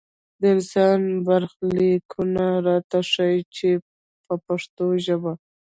د انسان برخلیکونه راته ښيي په پښتو ژبه.